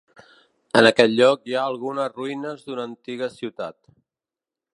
En aquest lloc hi ha algunes ruïnes d'una antiga ciutat.